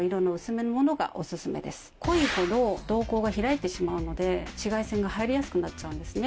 濃いほど瞳孔が開いてしまうので紫外線が入りやすくなっちゃうんですね。